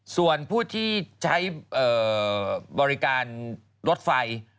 ส่วนผู้ที่ใช้บริการรถไฟ